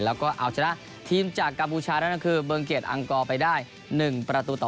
แล้วก็เอาชนะทีมจากกัมพูชานั่นก็คือเบิงเกียจอังกอร์ไปได้๑ประตูต่อ